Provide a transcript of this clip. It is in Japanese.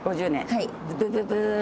はい。